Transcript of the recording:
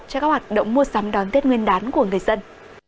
cho các hoạt động mua sắm đón tết nguyên đán của người dân